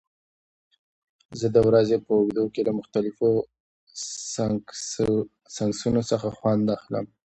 زه د ورځې په اوږدو کې له مختلفو سنکسونو څخه خوند اخلم.